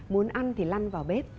muốn ăn thì lăn vào bếp